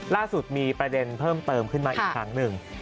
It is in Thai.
ล่าสุดมีประเด็นเพิ่มเติมขึ้นมาอีกครั้งหนึ่ง